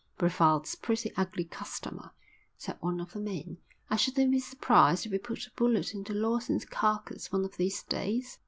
"Brevald's a pretty ugly customer," said one of the men. "I shouldn't be surprised if he put a bullet into Lawson's carcass one of these days."